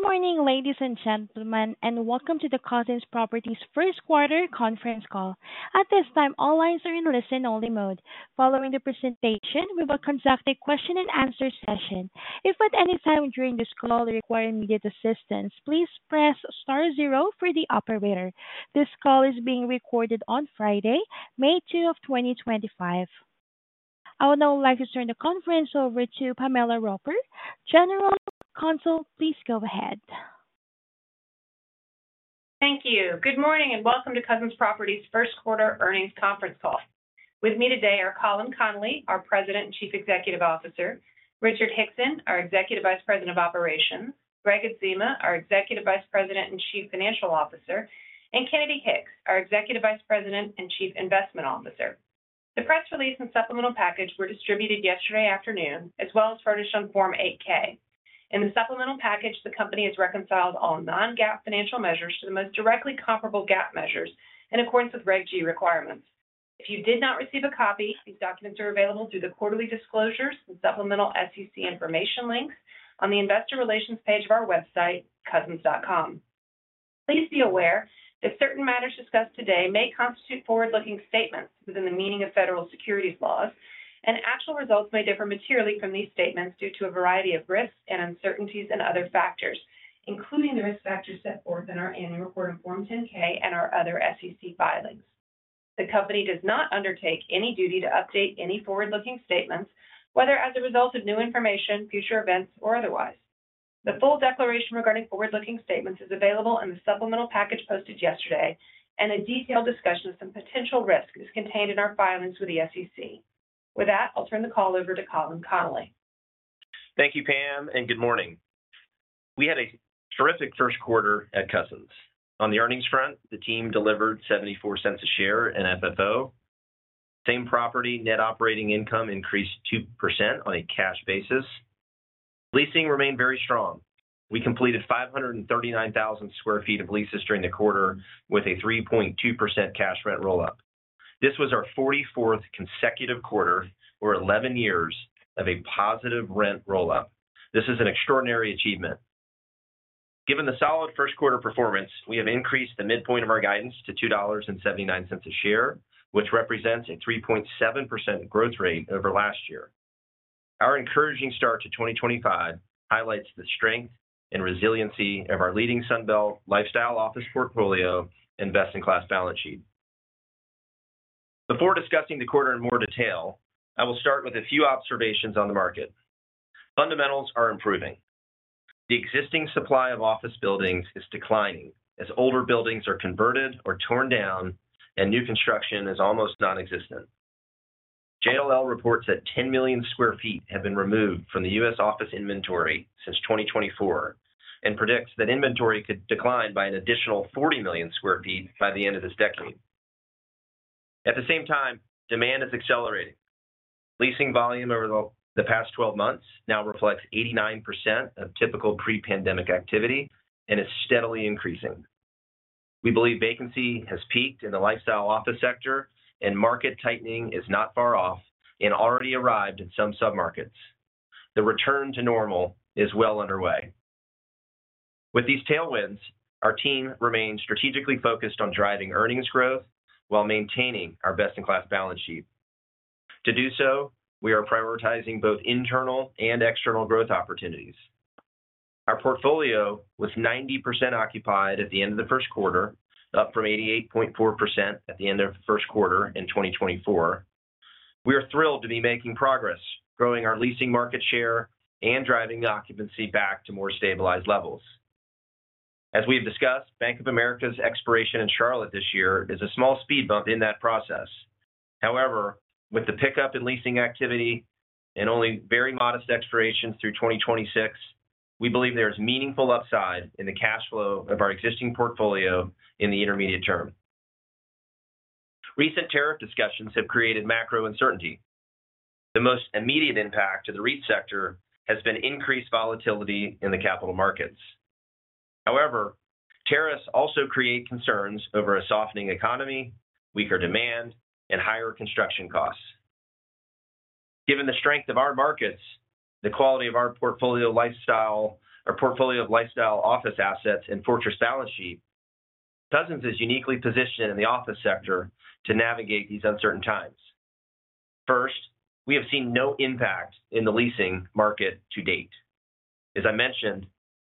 Good morning, ladies and gentlemen, and welcome to the Cousins Properties first-quarter conference call. At this time, all lines are in listen-only mode. Following the presentation, we will conduct a question-and-answer session. If at any time during this call you require immediate assistance, please press star zero for the operator. This call is being recorded on Friday, May 2, 2025. I would now like to turn the conference over to Pamela Roper, General Counsel. Please go ahead. Thank you. Good morning and welcome to Cousins Properties first-quarter earnings conference call. With me today are Colin Connolly, our President and Chief Executive Officer; Richard Hickson, our Executive Vice President of Operations; Gregg Adzema, our Executive Vice President and Chief Financial Officer; and Kennedy Hicks, our Executive Vice President and Chief Investment Officer. The press release and supplemental package were distributed yesterday afternoon, as well as furnished on Form 8-K. In the supplemental package, the company has reconciled all non-GAAP financial measures to the most directly comparable GAAP measures in accordance with Reg G requirements. If you did not receive a copy, these documents are available through the quarterly disclosures and supplemental SEC information links on the Investor Relations page of our website, cousins.com. Please be aware that certain matters discussed today may constitute forward-looking statements within the meaning of federal securities laws, and actual results may differ materially from these statements due to a variety of risks and uncertainties and other factors, including the risk factors set forth in our Annual Report on Form 10-K and our other SEC filings. The company does not undertake any duty to update any forward-looking statements, whether as a result of new information, future events, or otherwise. The full declaration regarding forward-looking statements is available in the supplemental package posted yesterday, and a detailed discussion of some potential risks is contained in our filings with the SEC. With that, I'll turn the call over to Colin Connolly. Thank you, Pam, and good morning. We had a terrific first quarter at Cousins. On the earnings front, the team delivered $0.74 a share in FFO. Same property net operating income increased 2% on a cash basis. Leasing remained very strong. We completed 539,000 sq ft of leases during the quarter with a 3.2% cash rent roll-up. This was our 44th consecutive quarter or 11 years of a positive rent roll-up. This is an extraordinary achievement. Given the solid first-quarter performance, we have increased the midpoint of our guidance to $2.79 a share, which represents a 3.7% growth rate over last year. Our encouraging start to 2025 highlights the strength and resiliency of our leading Sunbelt lifestyle office portfolio and best-in-class balance sheet. Before discussing the quarter in more detail, I will start with a few observations on the market. Fundamentals are improving. The existing supply of office buildings is declining as older buildings are converted or torn down, and new construction is almost nonexistent. JLL reports that 10 million sq ft have been removed from the U.S. office inventory since 2024 and predicts that inventory could decline by an additional 40 million sq ft by the end of this decade. At the same time, demand is accelerating. Leasing volume over the past 12 months now reflects 89% of typical pre-pandemic activity and is steadily increasing. We believe vacancy has peaked in the lifestyle office sector, and market tightening is not far off and already arrived in some submarkets. The return to normal is well underway. With these tailwinds, our team remains strategically focused on driving earnings growth while maintaining our best-in-class balance sheet. To do so, we are prioritizing both internal and external growth opportunities. Our portfolio was 90% occupied at the end of the first quarter, up from 88.4% at the end of the first quarter in 2024. We are thrilled to be making progress, growing our leasing market share and driving the occupancy back to more stabilized levels. As we have discussed, Bank of America's expiration in Charlotte this year is a small speed bump in that process. However, with the pickup in leasing activity and only very modest expirations through 2026, we believe there is meaningful upside in the cash flow of our existing portfolio in the intermediate term. Recent tariff discussions have created macro uncertainty. The most immediate impact to the REIT sector has been increased volatility in the capital markets. However, tariffs also create concerns over a softening economy, weaker demand, and higher construction costs. Given the strength of our markets, the quality of our portfolio of lifestyle office assets and fortress balance sheet, Cousins is uniquely positioned in the office sector to navigate these uncertain times. First, we have seen no impact in the leasing market to date. As I mentioned,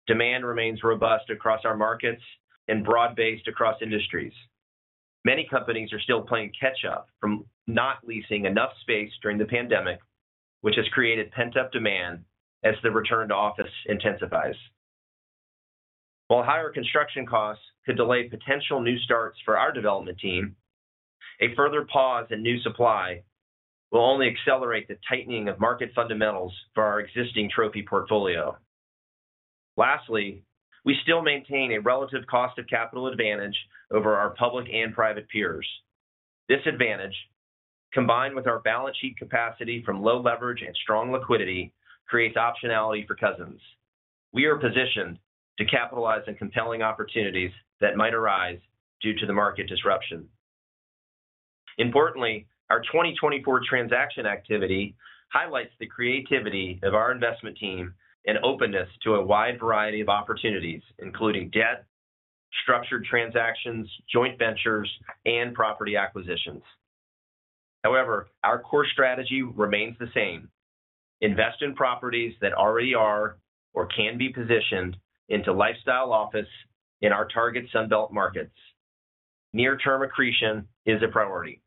demand remains robust across our markets and broad-based across industries. Many companies are still playing catch-up from not leasing enough space during the pandemic, which has created pent-up demand as the return to office intensifies. While higher construction costs could delay potential new starts for our development team, a further pause in new supply will only accelerate the tightening of market fundamentals for our existing trophy portfolio. Lastly, we still maintain a relative cost of capital advantage over our public and private peers. This advantage, combined with our balance sheet capacity from low leverage and strong liquidity, creates optionality for Cousins. We are positioned to capitalize on compelling opportunities that might arise due to the market disruption. Importantly, our 2024 transaction activity highlights the creativity of our investment team and openness to a wide variety of opportunities, including debt, structured transactions, joint ventures, and property acquisitions. However, our core strategy remains the same: invest in properties that already are or can be positioned into lifestyle office in our target Sunbelt markets. Near-term accretion is a priority.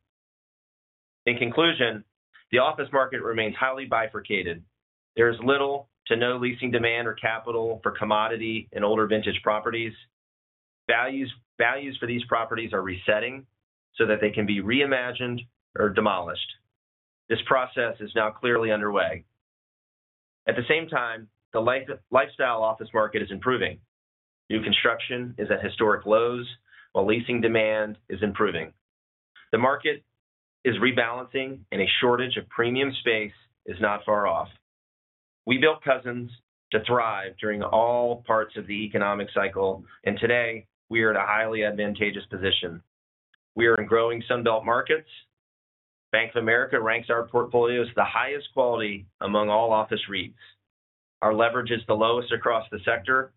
In conclusion, the office market remains highly bifurcated. There is little to no leasing demand or capital for commodity and older vintage properties. Values for these properties are resetting so that they can be reimagined or demolished. This process is now clearly underway. At the same time, the lifestyle office market is improving. New construction is at historic lows while leasing demand is improving. The market is rebalancing, and a shortage of premium space is not far off. We built Cousins to thrive during all parts of the economic cycle, and today we are in a highly advantageous position. We are in growing Sunbelt markets. Bank of America ranks our portfolio as the highest quality among all office REITs. Our leverage is the lowest across the sector.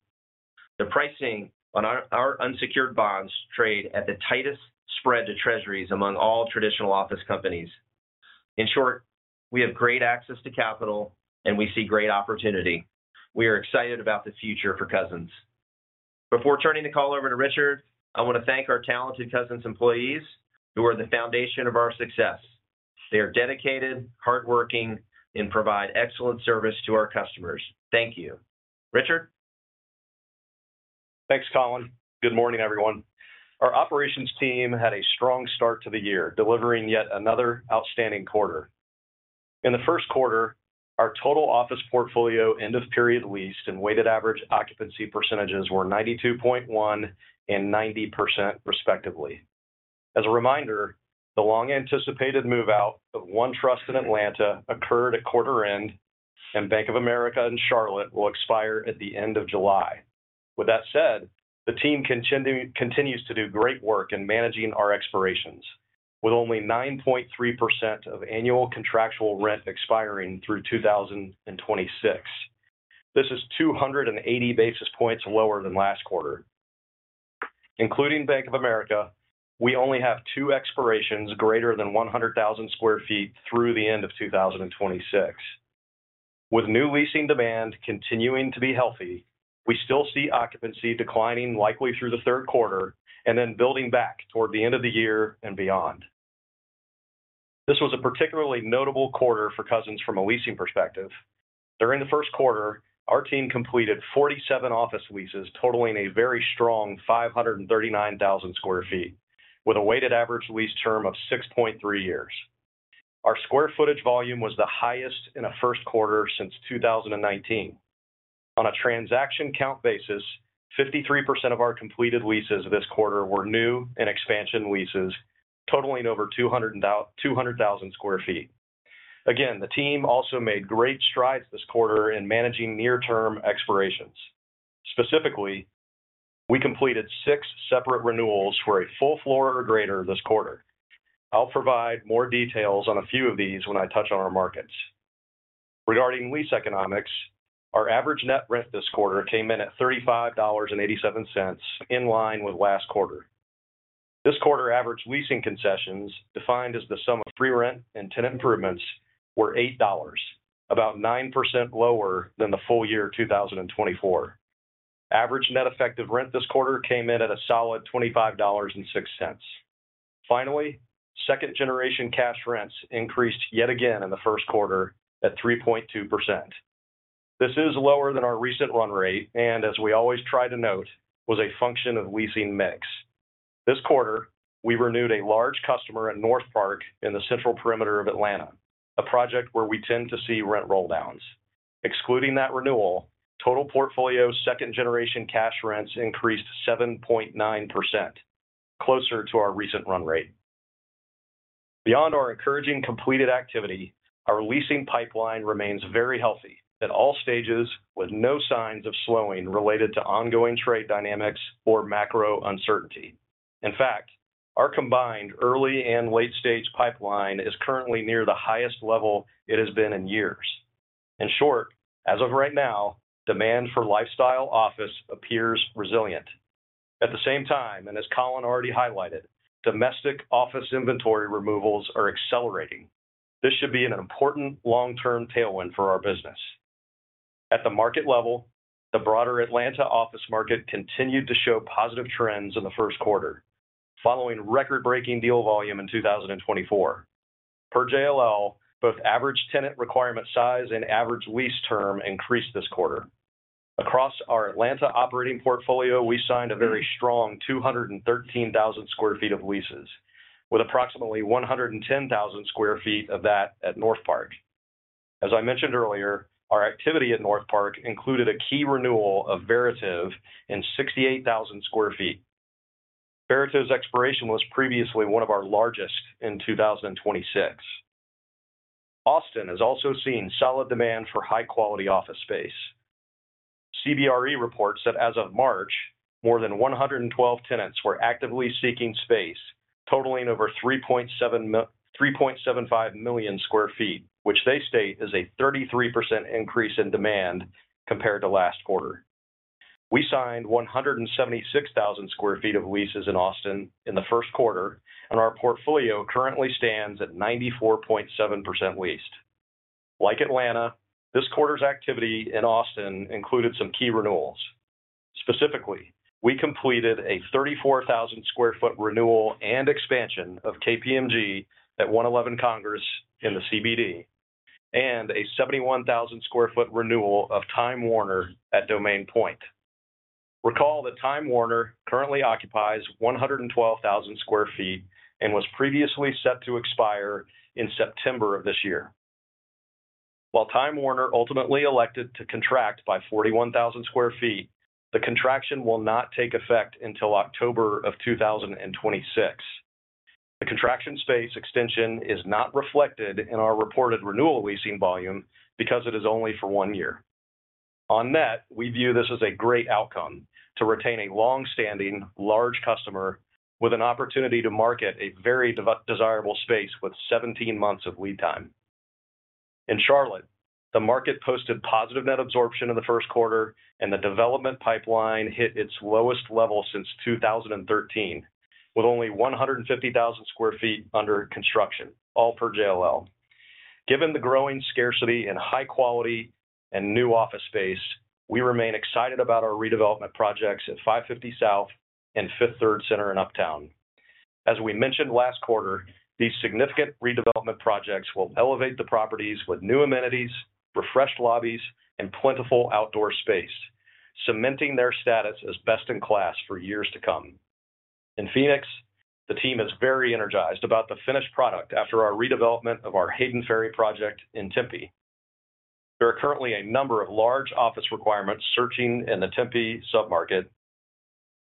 The pricing on our unsecured bonds trade at the tightest spread to Treasuries among all traditional office companies. In short, we have great access to capital, and we see great opportunity. We are excited about the future for Cousins. Before turning the call over to Richard, I want to thank our talented Cousins employees who are the foundation of our success. They are dedicated, hardworking, and provide excellent service to our customers. Thank you. Richard? Thanks, Colin. Good morning, everyone. Our operations team had a strong start to the year, delivering yet another outstanding quarter. In the first quarter, our total office portfolio end-of-period leased and weighted average occupancy percentages were 92.1% and 90%, respectively. As a reminder, the long-anticipated move-out of OneTrust in Atlanta occurred at quarter-end, and Bank of America in Charlotte will expire at the end of July. With that said, the team continues to do great work in managing our expirations, with only 9.3% of annual contractual rent expiring through 2026. This is 280 basis points lower than last quarter. Including Bank of America, we only have two expirations greater than 100,000 sq ft through the end of 2026. With new leasing demand continuing to be healthy, we still see occupancy declining likely through the third quarter and then building back toward the end of the year and beyond. This was a particularly notable quarter for Cousins from a leasing perspective. During the first quarter, our team completed 47 office leases totaling a very strong 539,000 sq ft, with a weighted average lease term of 6.3 years. Our square footage volume was the highest in a first quarter since 2019. On a transaction count basis, 53% of our completed leases this quarter were new and expansion leases totaling over 200,000 sq ft. Again, the team also made great strides this quarter in managing near-term expirations. Specifically, we completed six separate renewals for a full floor or greater this quarter. I'll provide more details on a few of these when I touch on our markets. Regarding lease economics, our average net rent this quarter came in at $35.87, in line with last quarter. This quarter, average leasing concessions, defined as the sum of free rent and tenant improvements, were $8, about 9% lower than the full year 2024. Average net effective rent this quarter came in at a solid $25.06. Finally, second-generation cash rents increased yet again in the first quarter at 3.2%. This is lower than our recent run rate and, as we always try to note, was a function of leasing mix. This quarter, we renewed a large customer in Northpark in the central perimeter of Atlanta, a project where we tend to see rent roll-downs. Excluding that renewal, total portfolio second-generation cash rents increased 7.9%, closer to our recent run rate. Beyond our encouraging completed activity, our leasing pipeline remains very healthy at all stages, with no signs of slowing related to ongoing trade dynamics or macro uncertainty. In fact, our combined early and late-stage pipeline is currently near the highest level it has been in years. In short, as of right now, demand for lifestyle office appears resilient. At the same time, as Colin already highlighted, domestic office inventory removals are accelerating. This should be an important long-term tailwind for our business. At the market level, the broader Atlanta office market continued to show positive trends in the first quarter, following record-breaking deal volume in 2024. Per JLL, both average tenant requirement size and average lease term increased this quarter. Across our Atlanta operating portfolio, we signed a very strong 213,000 sq ft of leases, with approximately 110,000 sq ft of that at Northpark. As I mentioned earlier, our activity at Northpark included a key renewal of Veritiv in 68,000 sq ft. Veritiv's expiration was previously one of our largest in 2026. Austin has also seen solid demand for high-quality office space. CBRE reports that as of March, more than 112 tenants were actively seeking space, totaling over 3.75 million sq ft, which they state is a 33% increase in demand compared to last quarter. We signed 176,000 sq ft of leases in Austin in the first quarter, and our portfolio currently stands at 94.7% leased. Like Atlanta, this quarter's activity in Austin included some key renewals. Specifically, we completed a 34,000 sq ft renewal and expansion of KPMG at 111 Congress in the CBD, and a 71,000 sq ft renewal of Time Warner at Domain Point. Recall that Time Warner currently occupies 112,000 sq ft and was previously set to expire in September of this year. While Time Warner ultimately elected to contract by 41,000 sq ft, the contraction will not take effect until October of 2026. The contraction space extension is not reflected in our reported renewal leasing volume because it is only for one year. On net, we view this as a great outcome to retain a long-standing large customer with an opportunity to market a very desirable space with 17 months of lead time. In Charlotte, the market posted positive net absorption in the first quarter, and the development pipeline hit its lowest level since 2013, with only 150,000 sq ft under construction, all per JLL. Given the growing scarcity in high quality and new office space, we remain excited about our redevelopment projects at 550 South and Fifth Third Center in Uptown. As we mentioned last quarter, these significant redevelopment projects will elevate the properties with new amenities, refreshed lobbies, and plentiful outdoor space, cementing their status as best in class for years to come. In Phoenix, the team is very energized about the finished product after our redevelopment of our Hayden Ferry project in Tempe. There are currently a number of large office requirements searching in the Tempe submarket.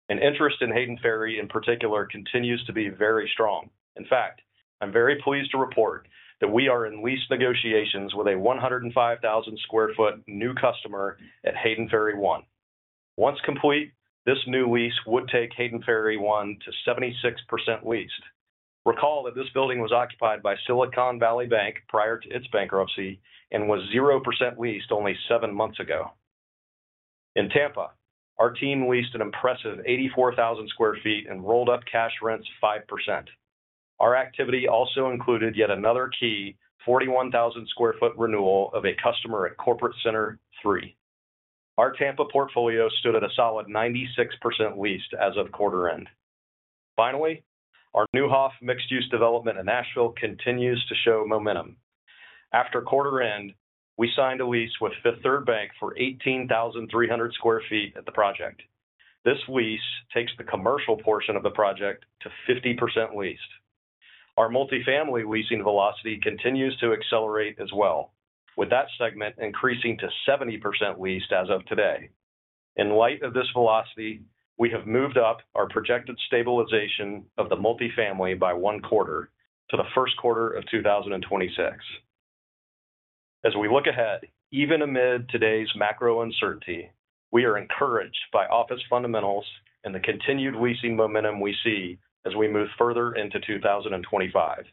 An interest in Hayden Ferry, in particular, continues to be very strong. In fact, I'm very pleased to report that we are in lease negotiations with a 105,000 sq ft new customer at Hayden Ferry One. Once complete, this new lease would take Hayden Ferry One to 76% leased. Recall that this building was occupied by Silicon Valley Bank prior to its bankruptcy and was 0% leased only seven months ago. In Tampa, our team leased an impressive 84,000 sq ft and rolled up cash rents 5%. Our activity also included yet another key 41,000 sq ft renewal of a customer at Corporate Center III. Our Tampa portfolio stood at a solid 96% leased as of quarter-end. Finally, our Neuhoff mixed-use development in Nashville continues to show momentum. After quarter-end, we signed a lease with Fifth Third Bank for 18,300 sq ft at the project. This lease takes the commercial portion of the project to 50% leased. Our multifamily leasing velocity continues to accelerate as well, with that segment increasing to 70% leased as of today. In light of this velocity, we have moved up our projected stabilization of the multifamily by one quarter to the first quarter of 2026. As we look ahead, even amid today's macro uncertainty, we are encouraged by office fundamentals and the continued leasing momentum we see as we move further into 2025.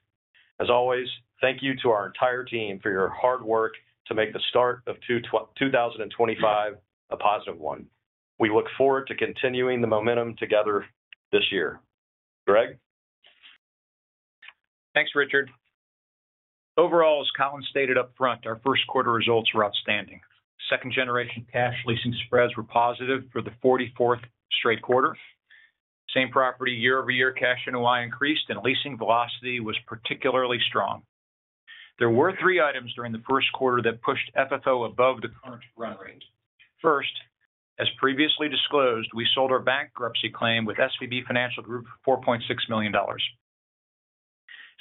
As always, thank you to our entire team for your hard work to make the start of 2025 a positive one. We look forward to continuing the momentum together this year. Gregg? Thanks, Richard. Overall, as Colin stated upfront, our first quarter results were outstanding. Second-generation cash leasing spreads were positive for the 44th straight quarter. Same property, year-over-year cash NOI increased, and leasing velocity was particularly strong. There were three items during the first quarter that pushed FFO above the current run rate. First, as previously disclosed, we sold our bankruptcy claim with SVB Financial Group for $4.6 million.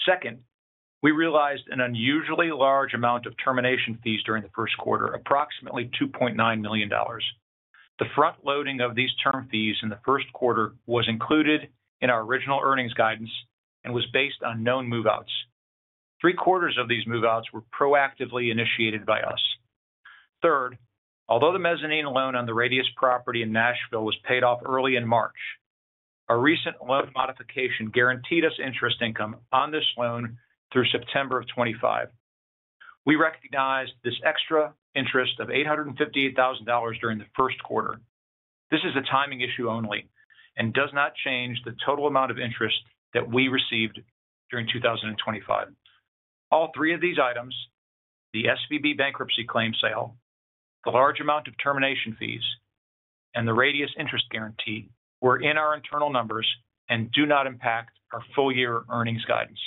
Second, we realized an unusually large amount of termination fees during the first quarter, approximately $2.9 million. The front-loading of these termination fees in the first quarter was included in our original earnings guidance and was based on known move-outs. Three quarters of these move-outs were proactively initiated by us. Third, although the mezzanine loan on the Radius property in Nashville was paid off early in March, a recent loan modification guaranteed us interest income on this loan through September of 2025. We recognized this extra interest of $858,000 during the first quarter. This is a timing issue only and does not change the total amount of interest that we received during 2025. All three of these items, the SVB bankruptcy claim sale, the large amount of termination fees, and the Radius interest guarantee were in our internal numbers and do not impact our full-year earnings guidance.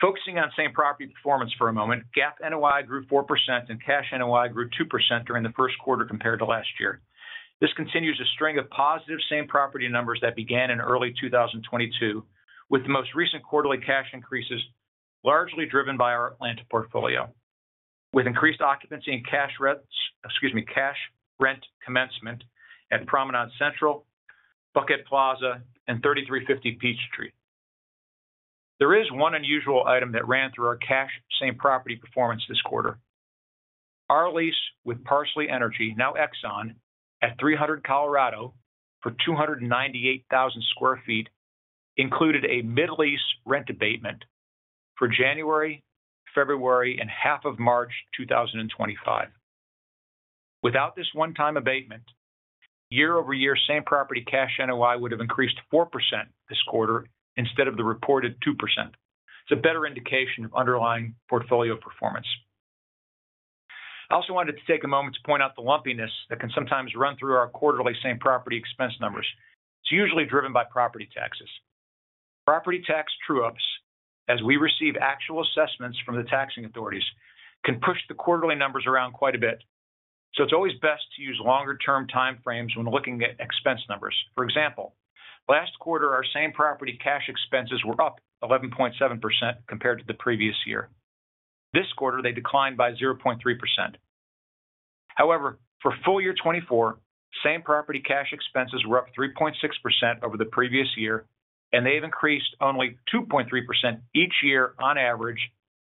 Focusing on same property performance for a moment, GAAP NOI grew 4% and cash NOI grew 2% during the first quarter compared to last year. This continues a string of positive same property numbers that began in early 2022, with the most recent quarterly cash increases largely driven by our Atlanta portfolio, with increased occupancy and cash rent commencement at Promenade Central, Buckhead Plaza, and 3350 Peachtree. There is one unusual item that ran through our cash same property performance this quarter. Our lease with Parsley Energy, now Exxon, at 300 Colorado for 298,000 sq ft included a mid-lease rent abatement for January, February, and half of March 2025. Without this one-time abatement, year-over-year same property cash NOI would have increased 4% this quarter instead of the reported 2%. It's a better indication of underlying portfolio performance. I also wanted to take a moment to point out the lumpiness that can sometimes run through our quarterly same property expense numbers. It's usually driven by property taxes. Property tax true-ups, as we receive actual assessments from the taxing authorities, can push the quarterly numbers around quite a bit. It is always best to use longer-term time frames when looking at expense numbers. For example, last quarter, our same property cash expenses were up 11.7% compared to the previous year. This quarter, they declined by 0.3%. However, for full year 2024, same property cash expenses were up 3.6% over the previous year, and they have increased only 2.3% each year on average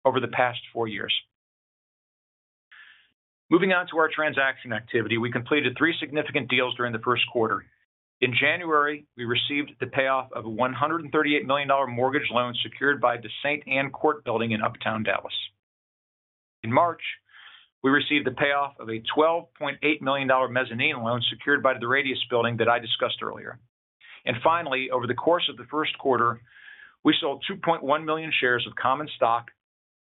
over the past four years. Moving on to our transaction activity, we completed three significant deals during the first quarter. In January, we received the payoff of a $138 million mortgage loan secured by the Saint Ann Court building in Uptown Dallas. In March, we received the payoff of a $12.8 million mezzanine loan secured by the Radius building that I discussed earlier. Finally, over the course of the first quarter, we sold 2.1 million shares of common stock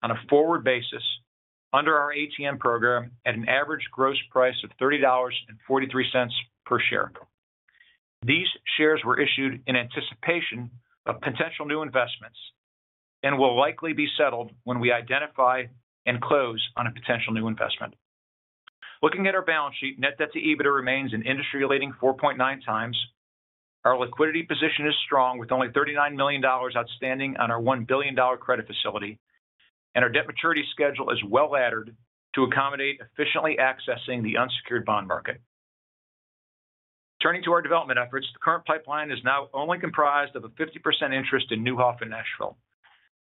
on a forward basis under our ATM program at an average gross price of $30.43 per share. These shares were issued in anticipation of potential new investments and will likely be settled when we identify and close on a potential new investment. Looking at our balance sheet, net debt to EBITDA remains an industry-leading 4.9 times. Our liquidity position is strong, with only $39 million outstanding on our $1 billion credit facility, and our debt maturity schedule is well laddered to accommodate efficiently accessing the unsecured bond market. Returning to our development efforts, the current pipeline is now only comprised of a 50% interest in Neuhoff in Nashville.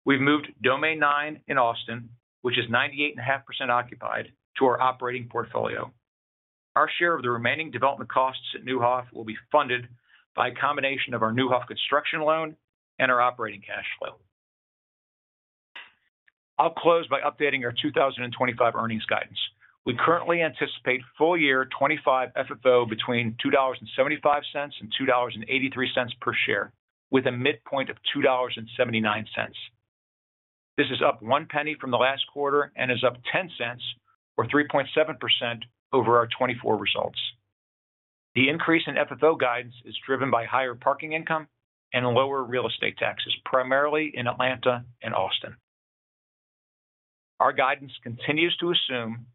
We have moved Domain 9 in Austin, which is 98.5% occupied, to our operating portfolio. Our share of the remaining development costs at Neuhoff will be funded by a combination of our Neuhoff construction loan and our operating cash flow. I'll close by updating our 2025 earnings guidance. We currently anticipate full year 2025 FFO between $2.75-$2.83 per share, with a midpoint of $2.79. This is up one penny from the last quarter and is up $0.10, or 3.7%, over our 2024 results. The increase in FFO guidance is driven by higher parking income and lower real estate taxes, primarily in Atlanta and Austin. Our guidance continues to assume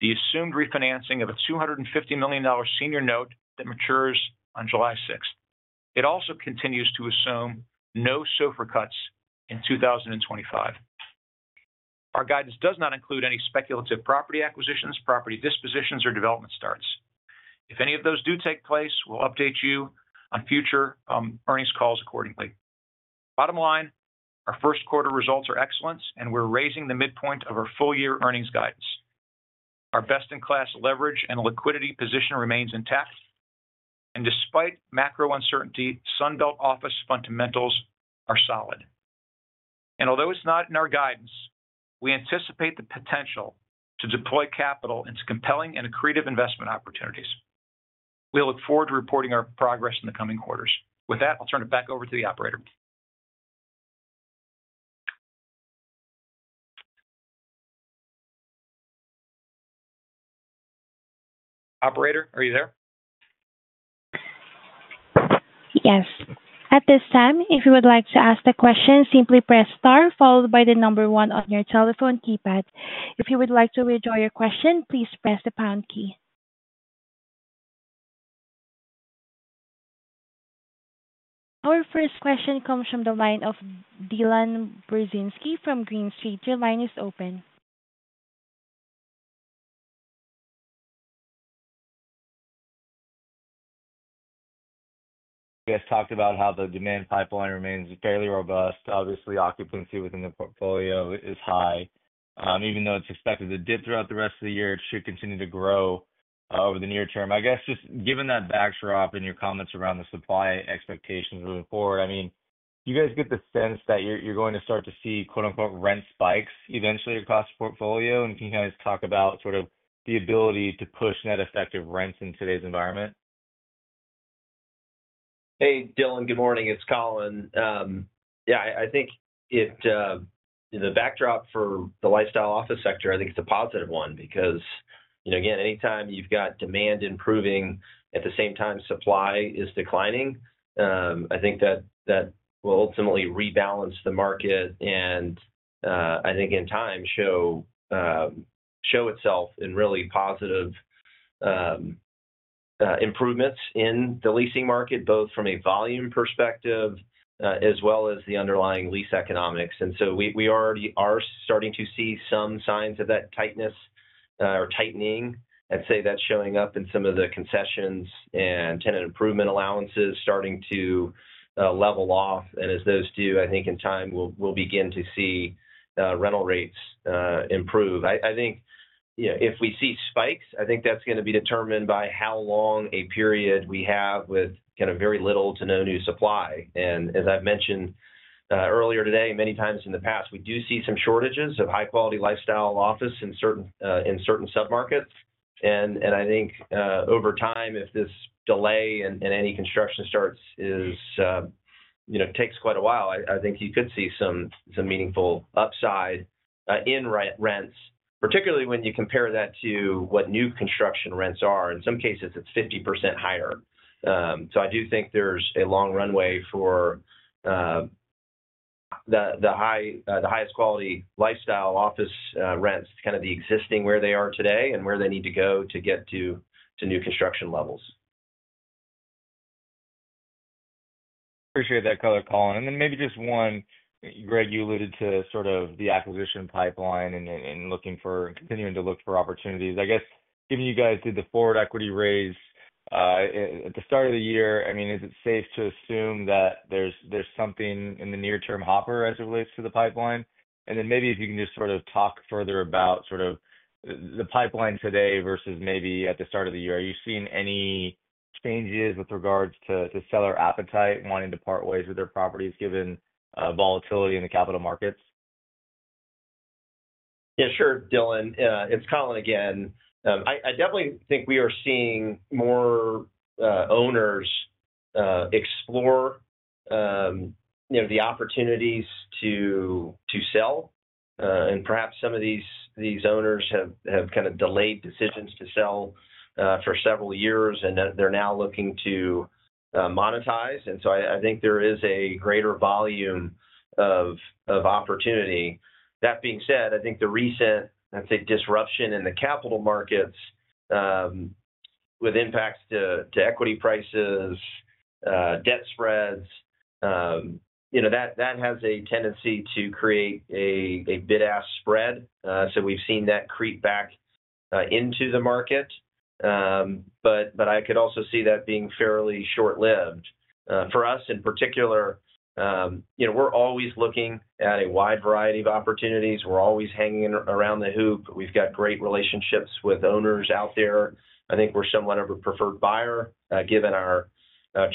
the assumed refinancing of a $250 million senior note that matures on July 6th. It also continues to assume no SOFR cuts in 2025. Our guidance does not include any speculative property acquisitions, property dispositions, or development starts. If any of those do take place, we'll update you on future earnings calls accordingly. Bottom line, our first quarter results are excellent, and we're raising the midpoint of our full-year earnings guidance. Our best-in-class leverage and liquidity position remains intact, and despite macro uncertainty, Sunbelt Office fundamentals are solid. Although it's not in our guidance, we anticipate the potential to deploy capital into compelling and accretive investment opportunities. We look forward to reporting our progress in the coming quarters. With that, I'll turn it back over to the operator. Operator, are you there? Yes. At this time, if you would like to ask a question, simply press Star, followed by the number one on your telephone keypad. If you would like to withdraw your question, please press the pound key. Our first question comes from the line of Dylan Burzinski from Green Street. Your line is open. I guess talked about how the demand pipeline remains fairly robust. Obviously, occupancy within the portfolio is high. Even though it's expected to dip throughout the rest of the year, it should continue to grow over the near term. I guess just given that backdrop and your comments around the supply expectations moving forward, I mean, do you guys get the sense that you're going to start to see "rent spikes" eventually across the portfolio? Can you guys talk about sort of the ability to push net effective rents in today's environment? Hey, Dylan, good morning. It's Colin. I think the backdrop for the lifestyle office sector, I think it's a positive one because, again, anytime you've got demand improving, at the same time, supply is declining. I think that will ultimately rebalance the market and, I think in time, show itself in really positive improvements in the leasing market, both from a volume perspective as well as the underlying lease economics. We already are starting to see some signs of that tightness or tightening. I'd say that's showing up in some of the concessions and tenant improvement allowances starting to level off. As those do, I think in time, we'll begin to see rental rates improve. I think if we see spikes, I think that's going to be determined by how long a period we have with kind of very little to no new supply. As I've mentioned earlier today, many times in the past, we do see some shortages of high-quality lifestyle office in certain submarkets. I think over time, if this delay in any construction starts takes quite a while, you could see some meaningful upside in rents, particularly when you compare that to what new construction rents are. In some cases, it's 50% higher. I do think there's a long runway for the highest quality lifestyle office rents to kind of the existing where they are today and where they need to go to get to new construction levels. Appreciate that color, Colin. Maybe just one, Gregg, you alluded to sort of the acquisition pipeline and looking for continuing to look for opportunities. I guess given you guys did the forward equity raise at the start of the year, I mean, is it safe to assume that there's something in the near-term hopper as it relates to the pipeline? Maybe if you can just sort of talk further about sort of the pipeline today versus maybe at the start of the year, are you seeing any changes with regards to seller appetite wanting to part ways with their properties given volatility in the capital markets? Yeah, sure, Dylan. It's Colin again. I definitely think we are seeing more owners explore the opportunities to sell. Perhaps some of these owners have kind of delayed decisions to sell for several years, and they're now looking to monetize. I think there is a greater volume of opportunity. That being said, I think the recent, I'd say, disruption in the capital markets with impacts to equity prices, debt spreads, that has a tendency to create a bid-ask spread. We have seen that creep back into the market. I could also see that being fairly short-lived. For us in particular, we're always looking at a wide variety of opportunities. We're always hanging around the hoop. We've got great relationships with owners out there. I think we're somewhat of a preferred buyer given our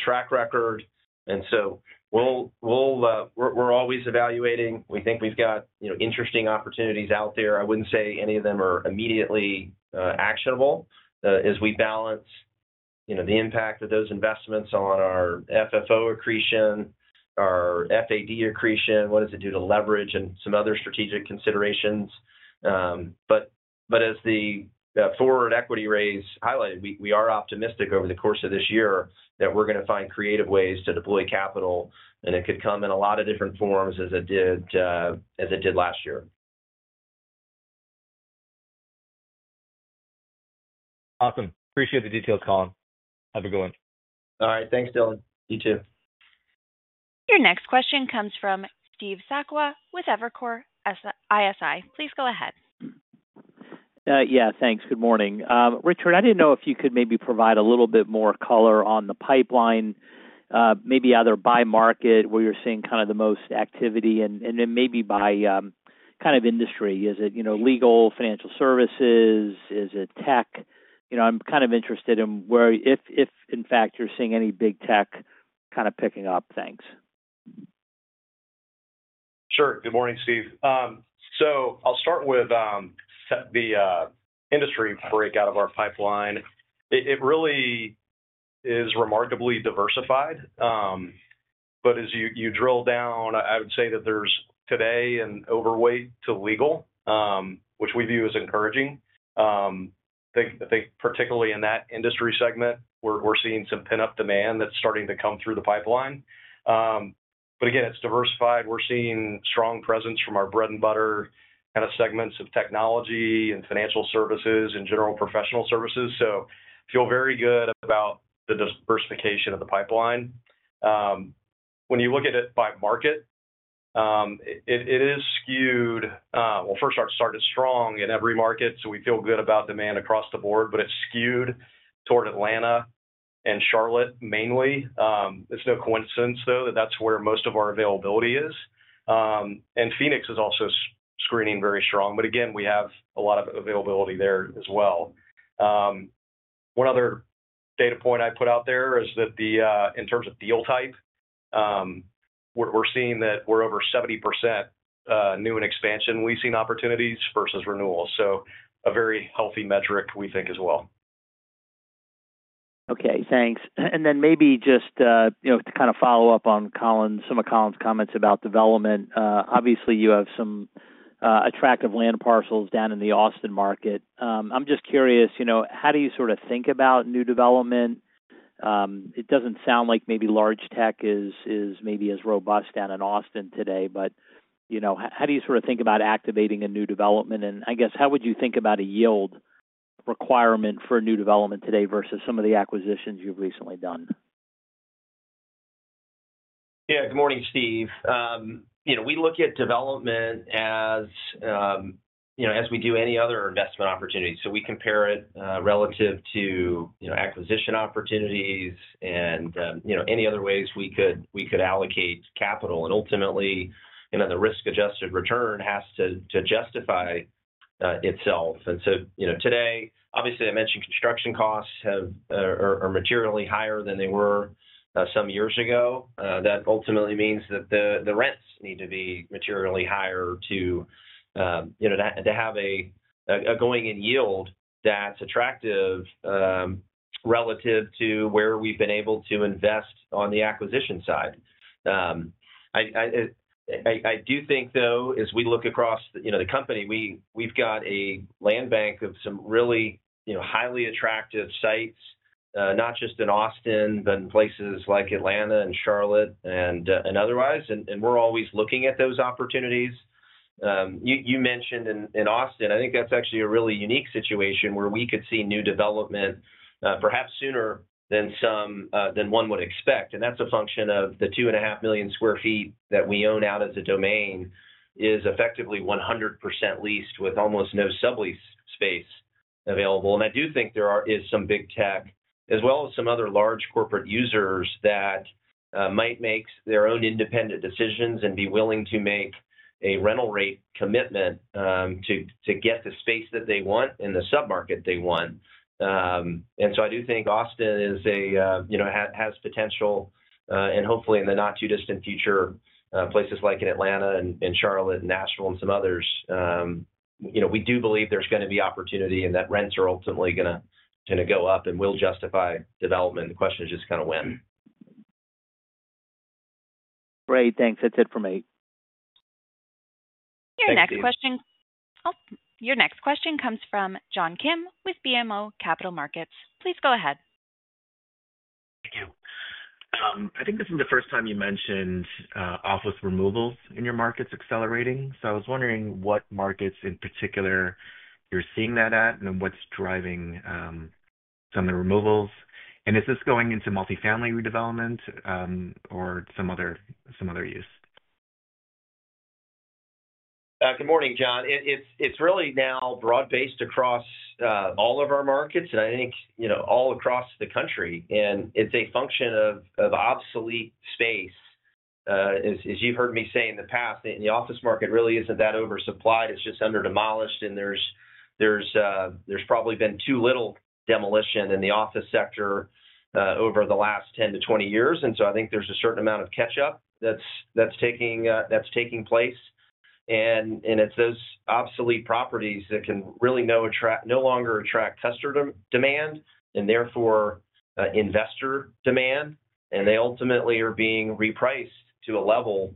track record. We're always evaluating. We think we've got interesting opportunities out there. I wouldn't say any of them are immediately actionable as we balance the impact of those investments on our FFO accretion, our FAD accretion, what does it do to leverage, and some other strategic considerations. As the forward equity raise highlighted, we are optimistic over the course of this year that we're going to find creative ways to deploy capital, and it could come in a lot of different forms as it did last year. Awesome. Appreciate the details, Colin. Have a good one. All right. Thanks, Dylan. You too. Your next question comes from Steve Sakwa with Evercore ISI. Please go ahead. Yeah, thanks. Good morning. Richard, I didn't know if you could maybe provide a little bit more color on the pipeline, maybe either by market where you're seeing kind of the most activity and then maybe by kind of industry. Is it legal, financial services? Is it tech? I'm kind of interested in where, if in fact, you're seeing any big tech kind of picking up things. Sure. Good morning, Steve. I'll start with the industry break out of our pipeline. It really is remarkably diversified. As you drill down, I would say that there's today an overweight to legal, which we view as encouraging. I think particularly in that industry segment, we're seeing some pent-up demand that's starting to come through the pipeline. Again, it's diversified. We're seeing strong presence from our bread-and-butter kind of segments of technology and financial services and general professional services. I feel very good about the diversification of the pipeline. When you look at it by market, it is skewed. First, it's strong in every market, so we feel good about demand across the board, but it's skewed toward Atlanta and Charlotte mainly. It's no coincidence that that's where most of our availability is. Phoenix is also screening very strong. Again, we have a lot of availability there as well. One other data point I put out there is that in terms of deal type, we're seeing that we're over 70% new and expansion leasing opportunities versus renewals. A very healthy metric, we think, as well. Okay. Thanks. Maybe just to kind of follow up on some of Colin's comments about development, obviously, you have some attractive land parcels down in the Austin market. I'm just curious, how do you sort of think about new development? It doesn't sound like maybe large tech is maybe as robust down in Austin today, but how do you sort of think about activating a new development? I guess how would you think about a yield requirement for new development today versus some of the acquisitions you've recently done? Yeah. Good morning, Steve. We look at development as we do any other investment opportunity. We compare it relative to acquisition opportunities and any other ways we could allocate capital. Ultimately, the risk-adjusted return has to justify itself. Today, obviously, I mentioned construction costs are materially higher than they were some years ago. That ultimately means that the rents need to be materially higher to have a going-in yield that's attractive relative to where we've been able to invest on the acquisition side. I do think, though, as we look across the company, we've got a land bank of some really highly attractive sites, not just in Austin, but in places like Atlanta and Charlotte and otherwise. We're always looking at those opportunities. You mentioned in Austin, I think that's actually a really unique situation where we could see new development perhaps sooner than one would expect. That's a function of the two and a half million sq ft that we own out at the Domain is effectively 100% leased with almost no sublease space available. I do think there is some big tech, as well as some other large corporate users that might make their own independent decisions and be willing to make a rental rate commitment to get the space that they want in the submarket they want. I do think Austin has potential, and hopefully in the not-too-distant future, places like Atlanta and Charlotte and Nashville and some others. We do believe there's going to be opportunity and that rents are ultimately going to go up and will justify development. The question is just kind of when. Great. Thanks. That's it for me. Your next question comes from John Kim with BMO Capital Markets. Please go ahead. Thank you. I think this is the first time you mentioned office removals in your markets accelerating. I was wondering what markets in particular you're seeing that at and what's driving some of the removals. Is this going into multifamily redevelopment or some other use? Good morning, John. It's really now broad-based across all of our markets, and I think all across the country. It's a function of obsolete space. As you've heard me say in the past, the office market really isn't that oversupplied. It's just under-demolished, and there's probably been too little demolition in the office sector over the last 10 to 20 years. I think there's a certain amount of catch-up that's taking place. It's those obsolete properties that can really no longer attract customer demand and therefore investor demand. They ultimately are being repriced to a level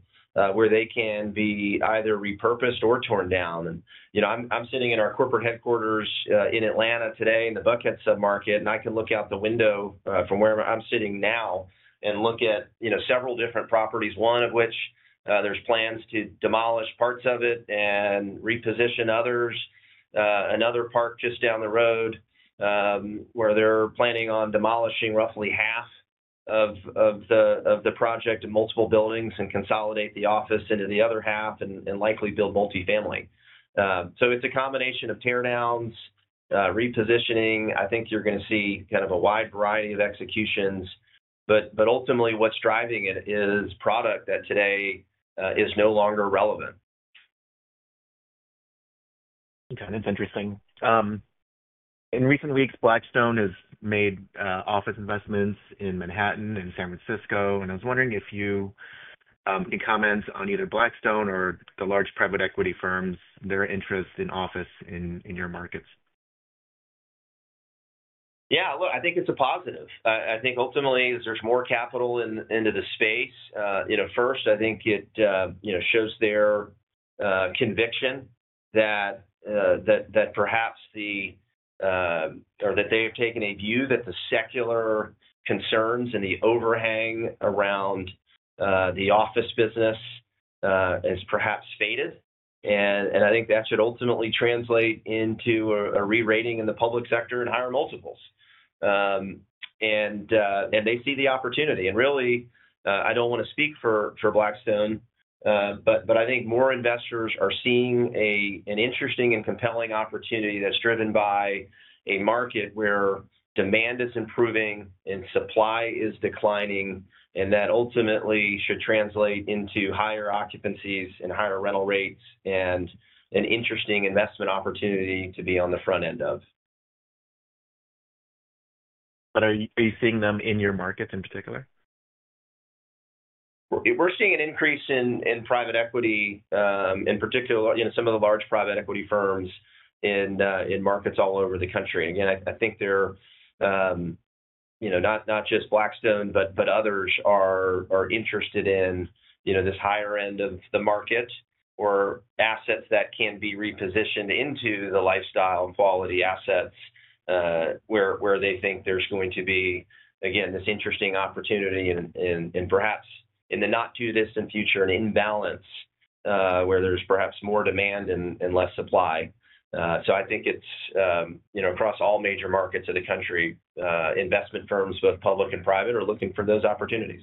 where they can be either repurposed or torn down. I'm sitting in our corporate headquarters in Atlanta today in the Buckhead submarket, and I can look out the window from where I'm sitting now and look at several different properties, one of which there's plans to demolish parts of it and reposition others. Another park just down the road where they're planning on demolishing roughly half of the project of multiple buildings and consolidate the office into the other half and likely build multifamily. It's a combination of tear-downs, repositioning. I think you're going to see kind of a wide variety of executions. Ultimately, what's driving it is product that today is no longer relevant. Okay. That's interesting. In recent weeks, Blackstone has made office investments in Manhattan and San Francisco. I was wondering if you can comment on either Blackstone or the large private equity firms, their interest in office in your markets. Yeah. Look, I think it's a positive. I think ultimately there's more capital into the space. First, I think it shows their conviction that perhaps they have taken a view that the secular concerns and the overhang around the office business has perhaps faded. I think that should ultimately translate into a re-rating in the public sector and higher multiples. They see the opportunity. Really, I don't want to speak for Blackstone, but I think more investors are seeing an interesting and compelling opportunity that's driven by a market where demand is improving and supply is declining, and that ultimately should translate into higher occupancies and higher rental rates and an interesting investment opportunity to be on the front end of. Are you seeing them in your markets in particular? We're seeing an increase in private equity, in particular, some of the large private equity firms in markets all over the country. I think they're not just Blackstone, but others are interested in this higher end of the market or assets that can be repositioned into the lifestyle and quality assets where they think there's going to be, again, this interesting opportunity and perhaps in the not-too-distant future, an imbalance where there's perhaps more demand and less supply. I think it's across all major markets of the country, investment firms, both public and private, are looking for those opportunities.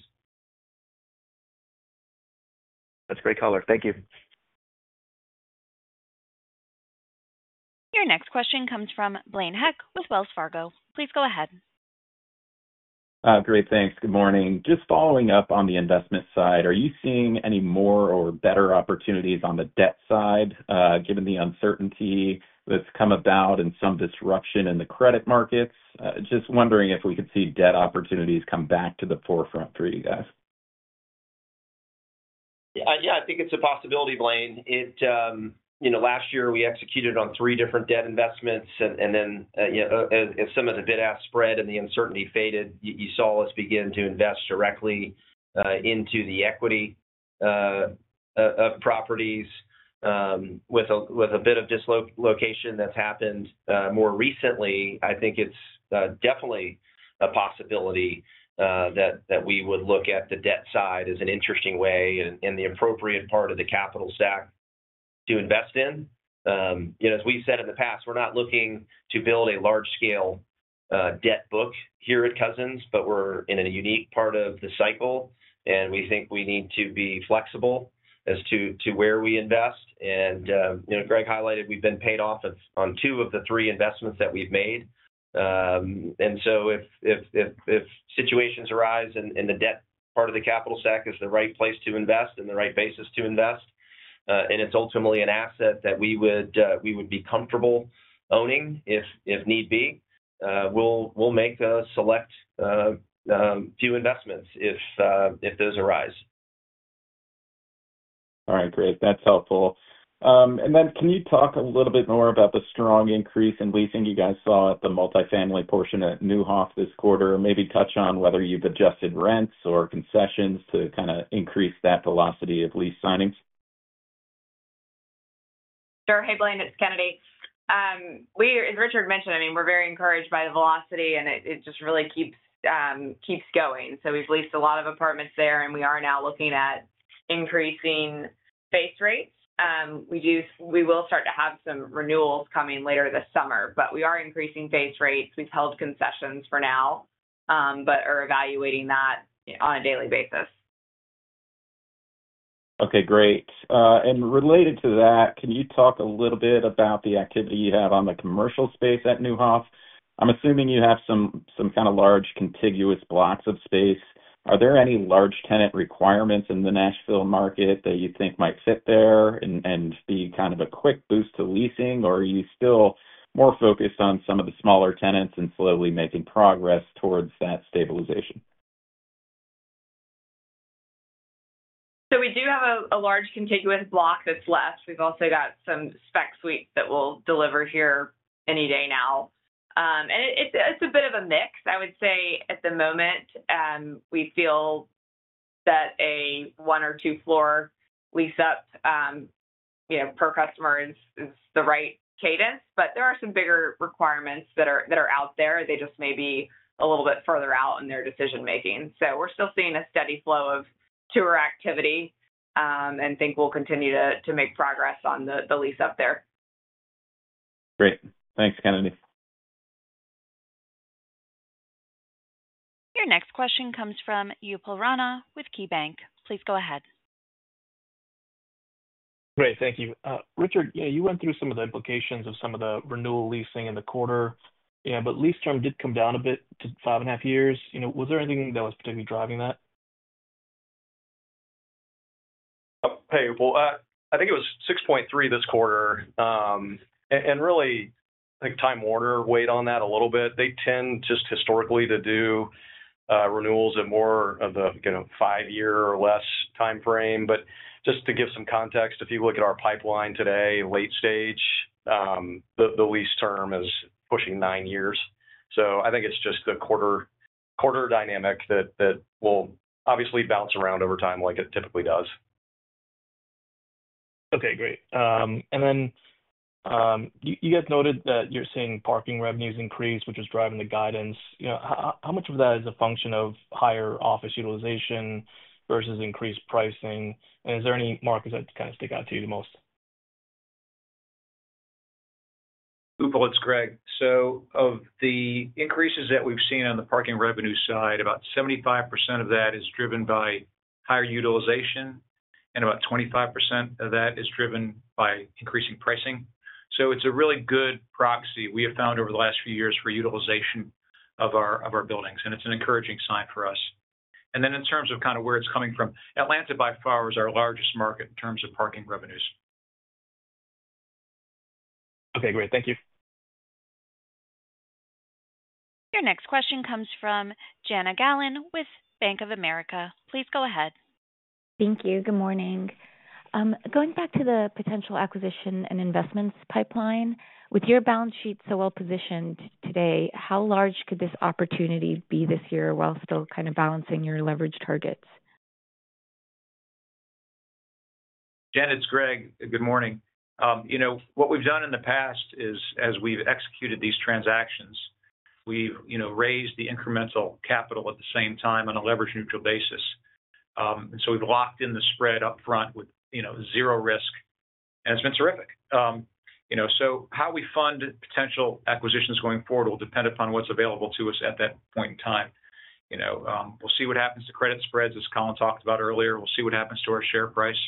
That's great, Colin. Thank you. Your next question comes from Blaine Heck with Wells Fargo. Please go ahead. Great. Thanks. Good morning. Just following up on the investment side, are you seeing any more or better opportunities on the debt side given the uncertainty that's come about and some disruption in the credit markets? Just wondering if we could see debt opportunities come back to the forefront for you guys. Yeah. I think it's a possibility, Blaine. Last year, we executed on three different debt investments. Then as some of the bid-ask spread and the uncertainty faded, you saw us begin to invest directly into the equity of properties. With a bit of dislocation that's happened more recently, I think it's definitely a possibility that we would look at the debt side as an interesting way and the appropriate part of the capital stack to invest in. As we've said in the past, we're not looking to build a large-scale debt book here at Cousins, but we're in a unique part of the cycle, and we think we need to be flexible as to where we invest. Gregg highlighted we've been paid off on two of the three investments that we've made. If situations arise and the debt part of the capital stack is the right place to invest and the right basis to invest, and it's ultimately an asset that we would be comfortable owning if need be, we'll make a select few investments if those arise. All right. Great. That's helpful. Can you talk a little bit more about the strong increase in leasing you guys saw at the multifamily portion at Neuhoff this quarter? Maybe touch on whether you've adjusted rents or concessions to kind of increase that velocity of lease signings? Sure. Hey, Blaine. It's Kennedy. As Richard mentioned, I mean, we're very encouraged by the velocity, and it just really keeps going. We have leased a lot of apartments there, and we are now looking at increasing base rates. We will start to have some renewals coming later this summer, but we are increasing base rates. We have held concessions for now, but are evaluating that on a daily basis. Okay. Great. Related to that, can you talk a little bit about the activity you have on the commercial space at Neuhoff? I'm assuming you have some kind of large contiguous blocks of space. Are there any large tenant requirements in the Nashville market that you think might fit there and be kind of a quick boost to leasing, or are you still more focused on some of the smaller tenants and slowly making progress towards that stabilization? We do have a large contiguous block that's left. We've also got some spec suites that we'll deliver here any day now. It's a bit of a mix, I would say, at the moment. We feel that a one or two-floor lease-up per customer is the right cadence, but there are some bigger requirements that are out there. They just may be a little bit further out in their decision-making. We're still seeing a steady flow of tour activity and think we'll continue to make progress on the lease-up there. Great. Thanks, Kennedy. Your next question comes from Upal Rana with KeyBanc. Please go ahead. Great. Thank you. Richard, you went through some of the implications of some of the renewal leasing in the quarter, but lease term did come down a bit to five and a half years. Was there anything that was particularly driving that? Hey, I think it was 6.3 this quarter. I think Time Warner weighed on that a little bit. They tend just historically to do renewals at more of the five-year or less timeframe. Just to give some context, if you look at our pipeline today, late stage, the lease term is pushing nine years. I think it's just the quarter dynamic that will obviously bounce around over time like it typically does. Okay. Great. You guys noted that you're seeing parking revenues increase, which is driving the guidance. How much of that is a function of higher office utilization versus increased pricing? Is there any markets that kind of stick out to you the most Upal, it's Gregg. Of the increases that we've seen on the parking revenue side, about 75% of that is driven by higher utilization, and about 25% of that is driven by increasing pricing. It is a really good proxy we have found over the last few years for utilization of our buildings. It is an encouraging sign for us. In terms of where it is coming from, Atlanta by far is our largest market in terms of parking revenues. Okay. Great. Thank you. Your next question comes from Jana Galan with Bank of America. Please go ahead. Thank you. Good morning. Going back to the potential acquisition and investments pipeline, with your balance sheet so well positioned today, how large could this opportunity be this year while still kind of balancing your leverage targets? It's Gregg. Good morning. What we've done in the past is, as we've executed these transactions, we've raised the incremental capital at the same time on a leverage-neutral basis. We have locked in the spread upfront with zero risk. It's been terrific. How we fund potential acquisitions going forward will depend upon what's available to us at that point in time. We will see what happens to credit spreads, as Colin talked about earlier. We will see what happens to our share price.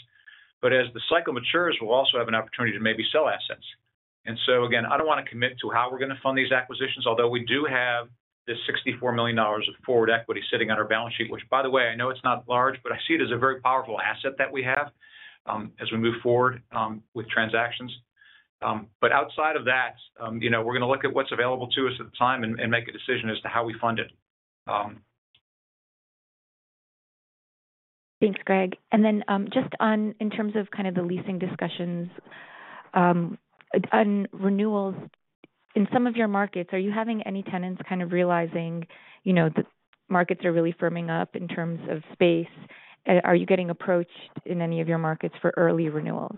As the cycle matures, we will also have an opportunity to maybe sell assets. I don't want to commit to how we're going to fund these acquisitions, although we do have this $64 million of forward equity sitting on our balance sheet, which, by the way, I know it's not large, but I see it as a very powerful asset that we have as we move forward with transactions. Outside of that, we're going to look at what's available to us at the time and make a decision as to how we fund it. Thanks, Gregg. Just in terms of kind of the leasing discussions, on renewals, in some of your markets, are you having any tenants kind of realizing the markets are really firming up in terms of space? Are you getting approached in any of your markets for early renewals?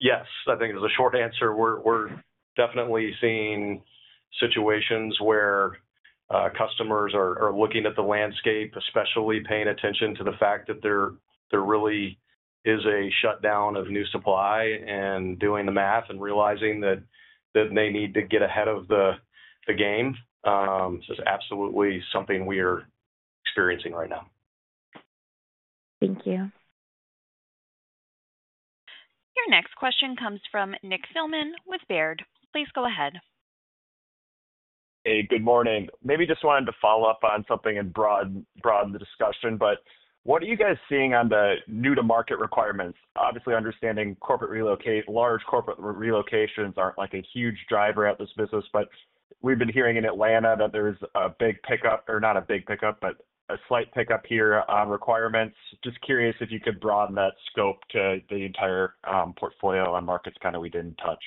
Yes. I think it's a short answer. We're definitely seeing situations where customers are looking at the landscape, especially paying attention to the fact that there really is a shutdown of new supply and doing the math and realizing that they need to get ahead of the game. This is absolutely something we are experiencing right now. Thank you. Your next question comes from Nick Thillman with Baird. Please go ahead. Hey, good morning. Maybe just wanted to follow up on something and broaden the discussion. What are you guys seeing on the new-to-market requirements? Obviously, understanding large corporate relocations aren't a huge driver at this business, but we've been hearing in Atlanta that there's a big pickup or not a big pickup, but a slight pickup here on requirements. Just curious if you could broaden that scope to the entire portfolio on markets kind of we didn't touch.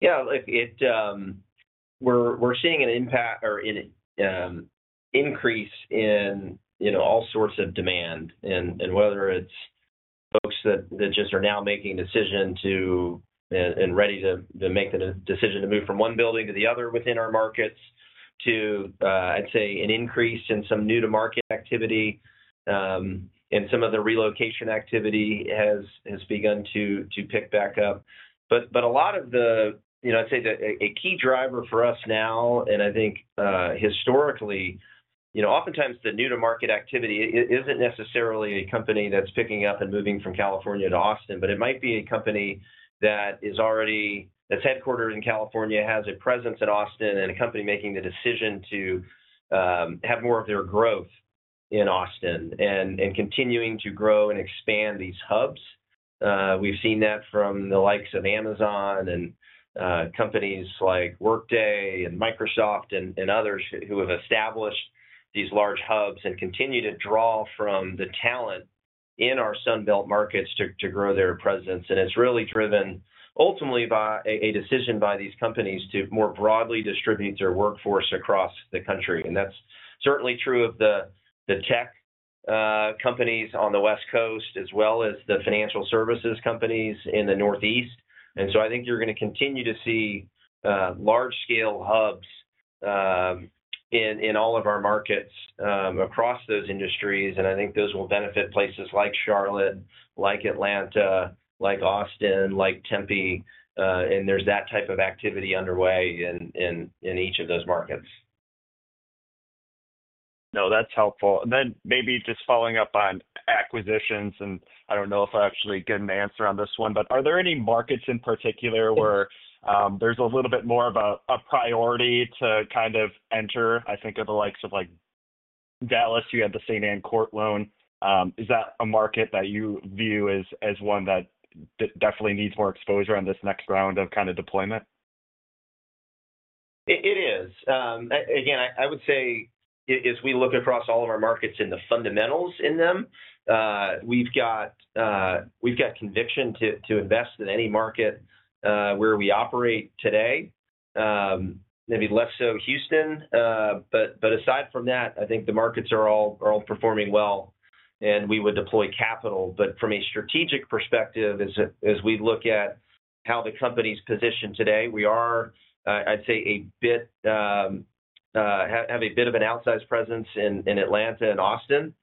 Yeah. We're seeing an impact or an increase in all sorts of demand, whether it's folks that just are now making a decision and ready to make the decision to move from one building to the other within our markets, to, I'd say, an increase in some new-to-market activity. Some of the relocation activity has begun to pick back up. A lot of the, I'd say, a key driver for us now, and I think historically, oftentimes the new-to-market activity isn't necessarily a company that's picking up and moving from California to Austin, but it might be a company that's headquartered in California, has a presence in Austin, and a company making the decision to have more of their growth in Austin and continuing to grow and expand these hubs. We've seen that from the likes of Amazon and companies like Workday and Microsoft and others who have established these large hubs and continue to draw from the talent in our Sunbelt markets to grow their presence. It's really driven ultimately by a decision by these companies to more broadly distribute their workforce across the country. That's certainly true of the tech companies on the West Coast as well as the financial services companies in the Northeast. I think you're going to continue to see large-scale hubs in all of our markets across those industries. I think those will benefit places like Charlotte, like Atlanta, like Austin, like Tempe. There's that type of activity underway in each of those markets. No, that's helpful. Maybe just following up on acquisitions, and I don't know if I actually get an answer on this one, but are there any markets in particular where there's a little bit more of a priority to kind of enter? I think of the likes of Dallas, you had the Saint Ann Court loan. Is that a market that you view as one that definitely needs more exposure on this next round of kind of deployment? It is. Again, I would say, as we look across all of our markets and the fundamentals in them, we've got conviction to invest in any market where we operate today. Maybe less so Houston. Aside from that, I think the markets are all performing well, and we would deploy capital. From a strategic perspective, as we look at how the company's positioned today, we are, I'd say, have a bit of an outsized presence in Atlanta and Austin.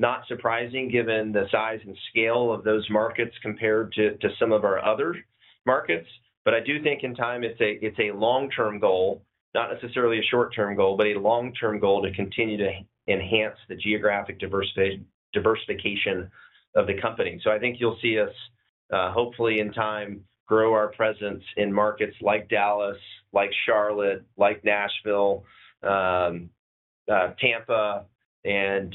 Not surprising given the size and scale of those markets compared to some of our other markets. I do think in time it's a long-term goal, not necessarily a short-term goal, but a long-term goal to continue to enhance the geographic diversification of the company. I think you'll see us, hopefully in time, grow our presence in markets like Dallas, like Charlotte, like Nashville, Tampa, and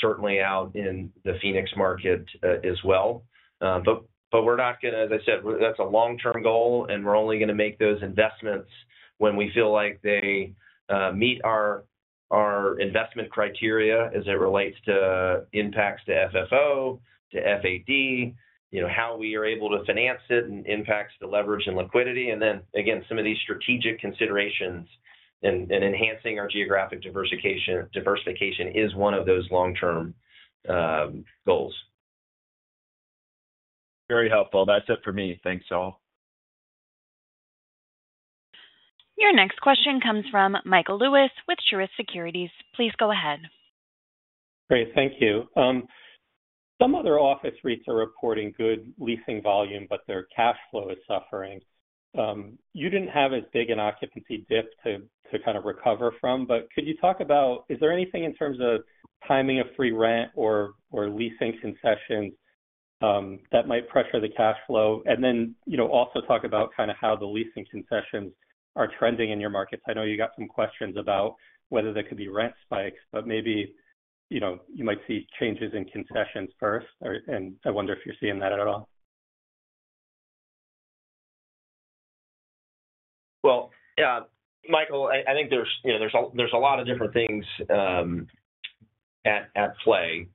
certainly out in the Phoenix market as well. We are not going to, as I said, that's a long-term goal, and we are only going to make those investments when we feel like they meet our investment criteria as it relates to impacts to FFO, to FAD, how we are able to finance it, and impacts the leverage and liquidity. Again, some of these strategic considerations and enhancing our geographic diversification is one of those long-term goals. Very helpful. That's it for me. Thanks, all. Your next question comes from Michael Lewis with Truist Securities. Please go ahead. Great. Thank you. Some other office REITs are reporting good leasing volume, but their cash flow is suffering. You did not have as big an occupancy dip to kind of recover from, but could you talk about, is there anything in terms of timing of free rent or leasing concessions that might pressure the cash flow? Also, talk about kind of how the leasing concessions are trending in your markets. I know you got some questions about whether there could be rent spikes, but maybe you might see changes in concessions first, and I wonder if you are seeing that at all. Michael, I think there's a lot of different things at play.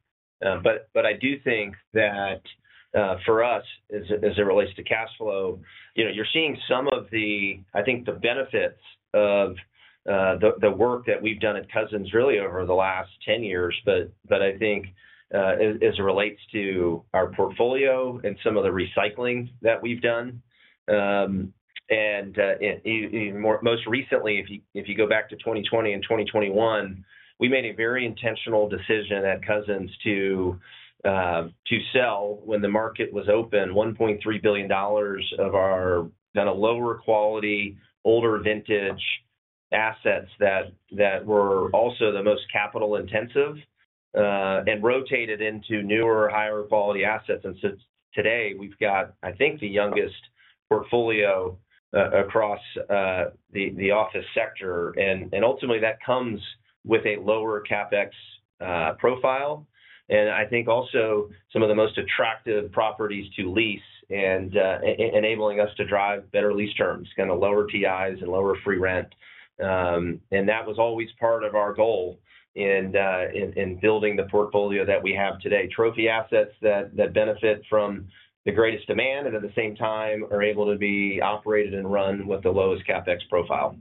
I do think that for us, as it relates to cash flow, you're seeing some of the, I think, the benefits of the work that we've done at Cousins really over the last 10 years. I think as it relates to our portfolio and some of the recycling that we've done, and most recently, if you go back to 2020 and 2021, we made a very intentional decision at Cousins to sell when the market was open $1.3 billion of our kind of lower quality, older vintage assets that were also the most capital-intensive and rotated into newer, higher quality assets. Today, we've got, I think, the youngest portfolio across the office sector. Ultimately, that comes with a lower CapEx profile. I think also some of the most attractive properties to lease and enabling us to drive better lease terms, kind of lower TIs and lower free rent. That was always part of our goal in building the portfolio that we have today. Trophy assets that benefit from the greatest demand and at the same time are able to be operated and run with the lowest CapEx profile.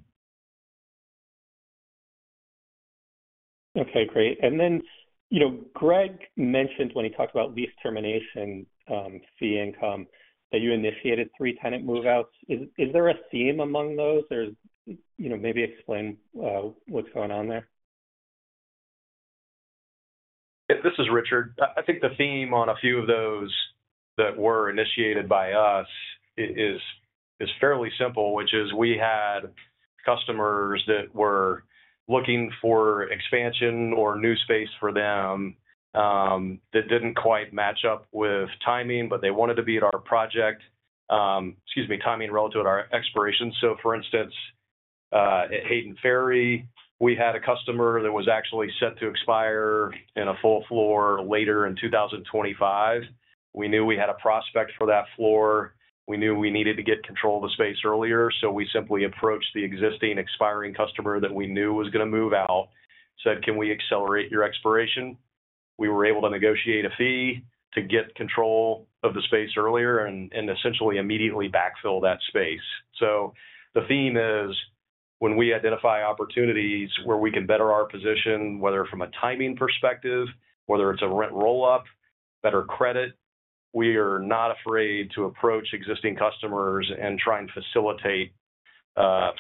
Okay. Great. Gregg mentioned when he talked about lease termination fee income that you initiated three-tenant move-outs. Is there a theme among those? Maybe explain what's going on there. I think the theme on a few of those that were initiated by us is fairly simple, which is we had customers that were looking for expansion or new space for them that did not quite match up with timing, but they wanted to be at our project—excuse me—timing relative to our expiration. For instance, at Hayden Ferry, we had a customer that was actually set to expire in a full floor later in 2025. We knew we had a prospect for that floor. We knew we needed to get control of the space earlier. We simply approached the existing expiring customer that we knew was going to move out, said, "Can we accelerate your expiration?" We were able to negotiate a fee to get control of the space earlier and essentially immediately backfill that space. The theme is when we identify opportunities where we can better our position, whether from a timing perspective, whether it's a rent roll-up, better credit, we are not afraid to approach existing customers and try and facilitate a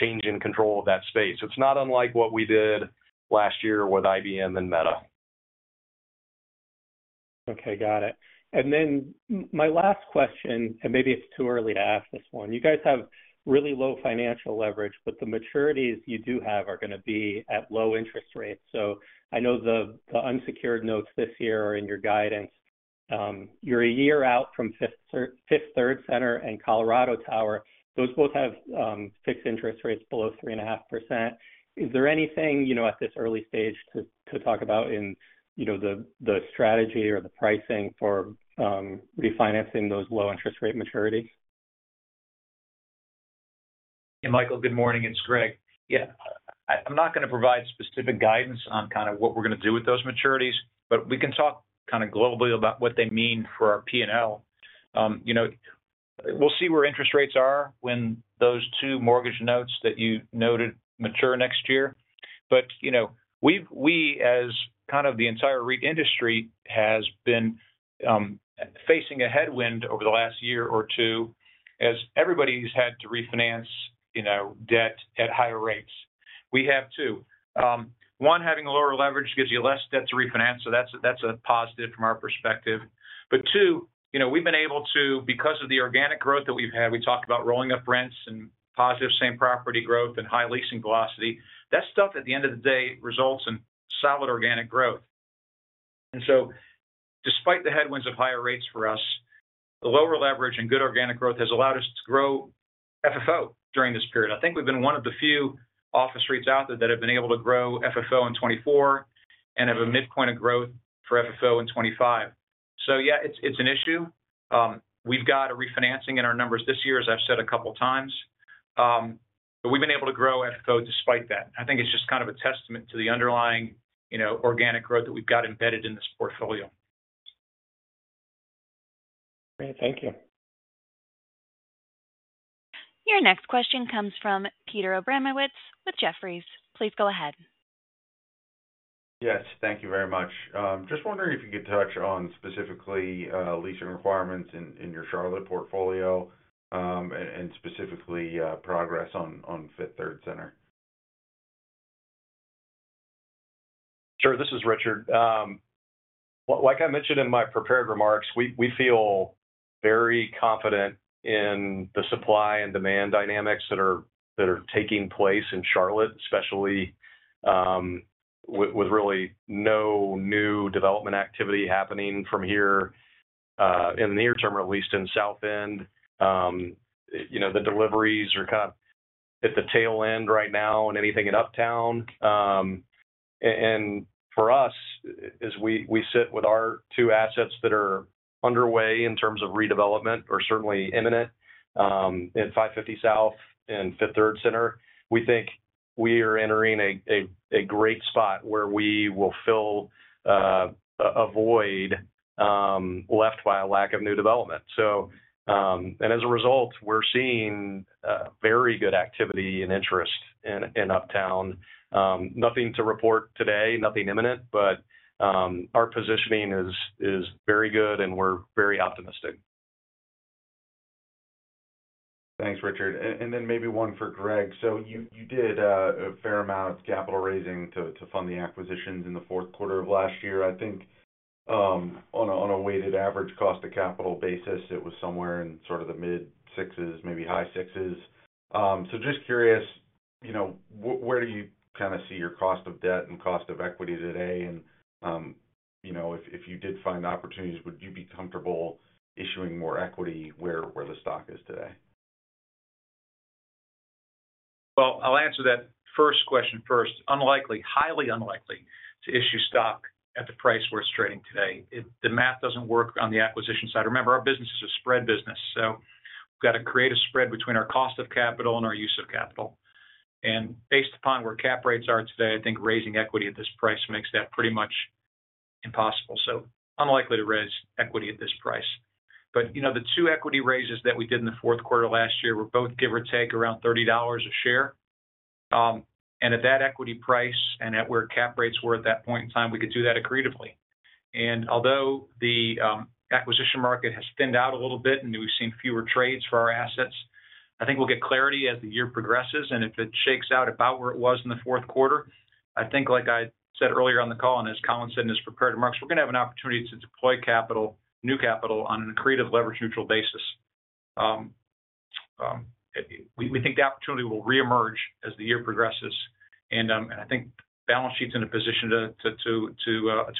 change in control of that space. It's not unlike what we did last year with IBM and Meta. Okay. Got it. My last question, and maybe it's too early to ask this one. You guys have really low financial leverage, but the maturities you do have are going to be at low interest rates. I know the unsecured notes this year are in your guidance. You're a year out from Fifth Third Center and Colorado Tower. Those both have fixed interest rates below 3.5%. Is there anything at this early stage to talk about in the strategy or the pricing for refinancing those low-interest rate maturities? Yeah, Michael, good morning. It's Gregg. Yeah. I'm not going to provide specific guidance on kind of what we're going to do with those maturities, but we can talk kind of globally about what they mean for our P&L. We'll see where interest rates are when those two mortgage notes that you noted mature next year. We, as kind of the entire REIT industry, have been facing a headwind over the last year or two as everybody's had to refinance debt at higher rates. We have too. One, having lower leverage gives you less debt to refinance, so that's a positive from our perspective. Two, we've been able to, because of the organic growth that we've had, we talked about rolling up rents and positive same property growth and high leasing velocity. That stuff, at the end of the day, results in solid organic growth. Despite the headwinds of higher rates for us, the lower leverage and good organic growth has allowed us to grow FFO during this period. I think we've been one of the few office REITs out there that have been able to grow FFO in 2024 and have a midpoint of growth for FFO in 2025. Yeah, it's an issue. We've got a refinancing in our numbers this year, as I've said a couple of times, but we've been able to grow FFO despite that. I think it's just kind of a testament to the underlying organic growth that we've got embedded in this portfolio. Great. Thank you. Your next question comes from Peter Abramowitz with Jefferies. Please go ahead. Yes. Thank you very much. Just wondering if you could touch on specifically leasing requirements in your Charlotte portfolio and specifically progress on Fifth Third Center. Sure. This is Richard. Like I mentioned in my prepared remarks, we feel very confident in the supply and demand dynamics that are taking place in Charlotte, especially with really no new development activity happening from here in the near term, at least in South End. The deliveries are kind of at the tail end right now on anything in Uptown. For us, as we sit with our two assets that are underway in terms of redevelopment or certainly imminent at 550 South and Fifth Third Center, we think we are entering a great spot where we will fill a void left by a lack of new development. As a result, we're seeing very good activity and interest in Uptown. Nothing to report today, nothing imminent, but our positioning is very good, and we're very optimistic. Thanks, Richard. Then maybe one for Gregg. You did a fair amount of capital raising to fund the acquisitions in the fourth quarter of last year. I think on a weighted average cost of capital basis, it was somewhere in sort of the mid-sixes, maybe high sixes. Just curious, where do you kind of see your cost of debt and cost of equity today? If you did find opportunities, would you be comfortable issuing more equity where the stock is today? I'll answer that first question first. Unlikely, highly unlikely to issue stock at the price where it's trading today. The math doesn't work on the acquisition side. Remember, our business is a spread business. We've got to create a spread between our cost of capital and our use of capital. Based upon where cap rates are today, I think raising equity at this price makes that pretty much impossible. Unlikely to raise equity at this price. The two equity raises that we did in the fourth quarter last year were both, give or take, around $30 a share. At that equity price and at where cap rates were at that point in time, we could do that accretively. Although the acquisition market has thinned out a little bit and we've seen fewer trades for our assets, I think we'll get clarity as the year progresses. If it shakes out about where it was in the fourth quarter, I think, like I said earlier on the call, and as Colin said in his prepared remarks, we're going to have an opportunity to deploy new capital on an accretive leverage-neutral basis. We think the opportunity will reemerge as the year progresses. I think the balance sheet's in a position to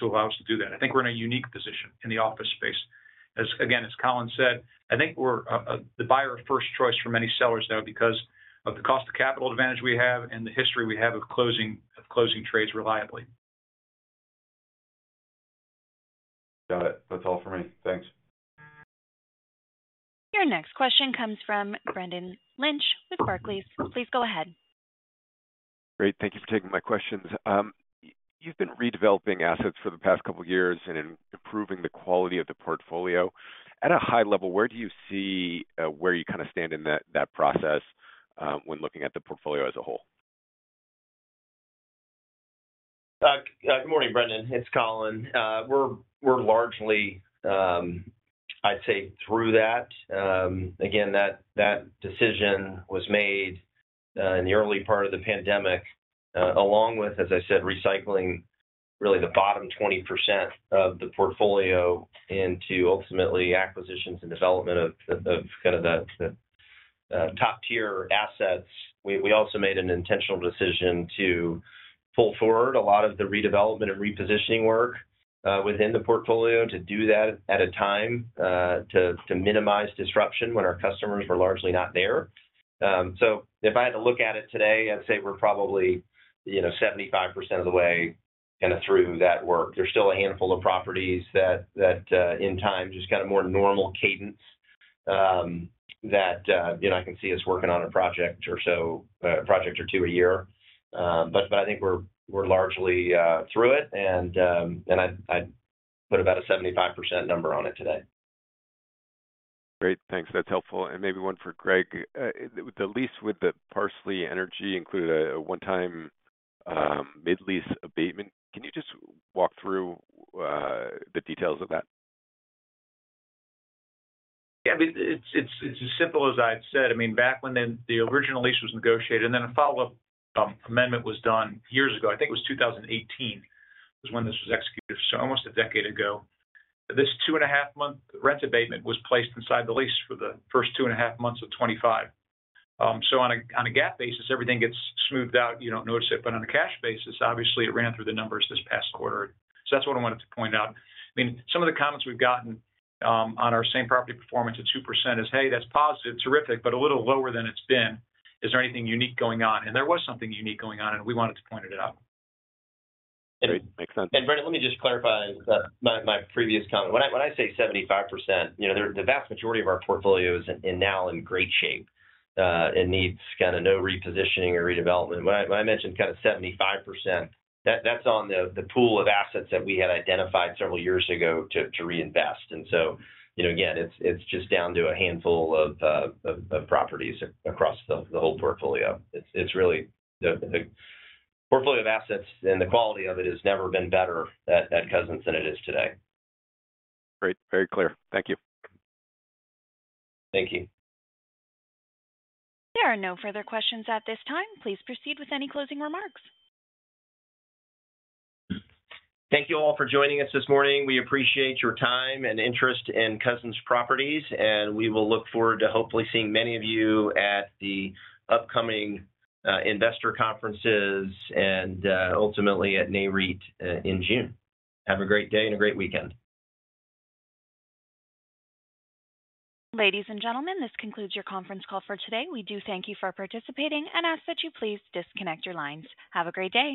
allow us to do that. I think we're in a unique position in the office space. Again, as Colin said, I think we're the buyer of first choice for many sellers now because of the cost of capital advantage we have and the history we have of closing trades reliably. Got it. That's all for me. Thanks. Your next question comes from Brendan Lynch with Barclays. Please go ahead. Great. Thank you for taking my questions. You've been redeveloping assets for the past couple of years and improving the quality of the portfolio. At a high level, where do you see where you kind of stand in that process when looking at the portfolio as a whole? Good morning, Brendan. It's Colin. We're largely, I'd say, through that. Again, that decision was made in the early part of the pandemic, along with, as I said, recycling really the bottom 20% of the portfolio into ultimately acquisitions and development of kind of the top-tier assets. We also made an intentional decision to pull forward a lot of the redevelopment and repositioning work within the portfolio to do that at a time to minimize disruption when our customers were largely not there. If I had to look at it today, I'd say we're probably 75% of the way kind of through that work. There's still a handful of properties that, in time, just kind of more normal cadence that I can see us working on a project or so, a project or two a year. I think we're largely through it, and I'd put about a 75% number on it today. Great. Thanks. That's helpful. Maybe one for Gregg. The lease with Parsley Energy included a one-time mid-lease abatement. Can you just walk through the details of that? Yeah. I mean, it's as simple as I'd said. I mean, back when the original lease was negotiated, and then a follow-up amendment was done years ago. I think it was 2018 was when this was executed, so almost a decade ago. This two-and-a-half-month rent abatement was placed inside the lease for the first two-and-a-half months of 2025. On a GAAP basis, everything gets smoothed out. You don't notice it. On a cash basis, obviously, it ran through the numbers this past quarter. That's what I wanted to point out. I mean, some of the comments we've gotten on our same property performance at 2% is, "Hey, that's positive. Terrific, but a little lower than it's been. Is there anything unique going on?" There was something unique going on, and we wanted to point it out. Great. Makes sense. Brendan, let me just clarify my previous comment. When I say 75%, the vast majority of our portfolio is now in great shape and needs kind of no repositioning or redevelopment. When I mentioned kind of 75%, that's on the pool of assets that we had identified several years ago to reinvest. Again, it's just down to a handful of properties across the whole portfolio. It's really the portfolio of assets, and the quality of it has never been better at Cousins than it is today. Great. Very clear. Thank you. Thank you. There are no further questions at this time. Please proceed with any closing remarks. Thank you all for joining us this morning. We appreciate your time and interest in Cousins Properties, and we will look forward to hopefully seeing many of you at the upcoming investor conferences and ultimately at Nareit in June. Have a great day and a great weekend. Ladies and gentlemen, this concludes your conference call for today. We do thank you for participating and ask that you please disconnect your lines. Have a great day.